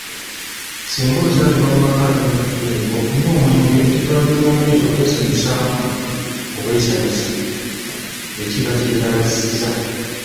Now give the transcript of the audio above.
Singa ozaalibwa mu maka agalimu eddiini ng'okunywa omwenge kitwalibwa ng'ekyokwesanyusaamu obwesanyusa, wekiba kyetaagisizza.